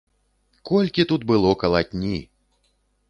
Колькі тут было калатні!